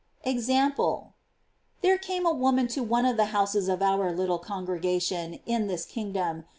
EXAMPLE. There came a woman to one of the houses of our little congregation, in this kingdom, to tell * Ep.